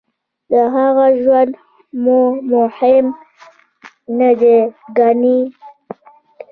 د هغه ژوند مو هم مهم نه دی ګڼلی.